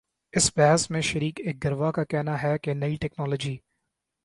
اس بحث میں شریک ایک گروہ کا کہنا ہے کہ نئی ٹیکنالوجی